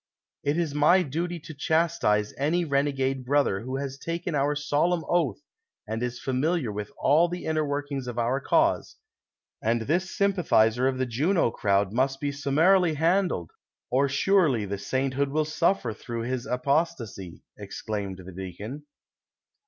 "It is my duty to chastize any renegade brother who has taken our Sf)lemn oath and is familiar with all the inner workings of our cause ; and this sympathizer of the Juno crowd must be summarily liandled, or surely the sainthood will suffer through his apostasy," exclaimed the deacon.